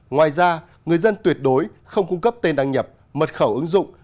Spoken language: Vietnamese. ngoài ra người dân tuyệt đối không cung cấp tên đăng nhập mật khẩu ứng dụng